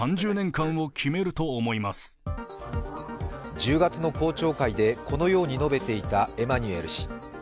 １０月の公聴会で、このように述べていたエマニュエル氏。